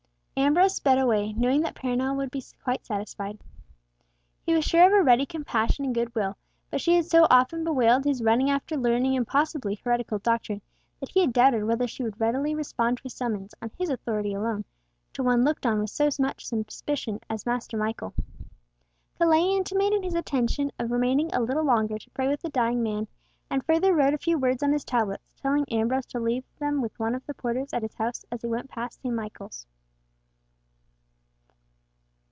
Ambrose sped away, knowing that Perronel would be quite satisfied. He was sure of her ready compassion and good will, but she had so often bewailed his running after learning and possibly heretical doctrine, that he had doubted whether she would readily respond to a summons, on his own authority alone, to one looked on with so much suspicion as Master Michael. Colet intimated his intention of remaining a little longer to pray with the dying man, and further wrote a few words on his tablets, telling Ambrose to leave them with one of the porters at his house as he went past St. Paul's.